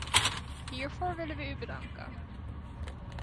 Hiervoor willen we u bedanken.